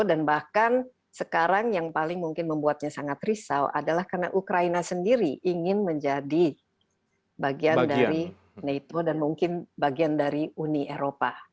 dan bahkan sekarang yang paling mungkin membuatnya sangat risau adalah karena ukraina sendiri ingin menjadi bagian dari nato dan mungkin bagian dari uni eropa